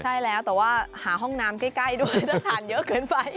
ใช่แล้วแต่ว่าหาห้องน้ำใกล้ด้วยถ้าทานเยอะเกินไป